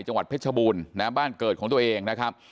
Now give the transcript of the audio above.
จังหวัดเพชรบูรณ์นะฮะบ้านเกิดของตัวเองนะครับ